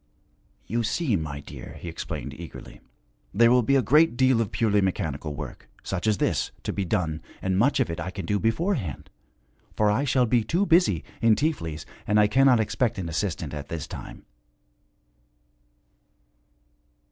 'You see, my dear,' he explained eagerly, 'there will be a great deal of purely mechanical work, such as this, to be done, and much of it I can do beforehand. For I shall be too busy, in Tiflis, and I cannot expect an assistant at this time.'